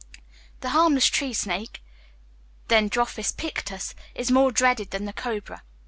The harmless tree snake (Dendrophis pictus) is more dreaded than the cobra.